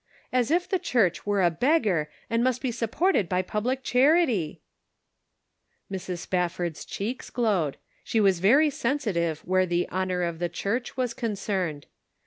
As if the Church were a beg gar, and must be supported by public charity !" Mrs. Spafford's cheeks glowed ; she was very sensitive where the honor of the Church was concerned.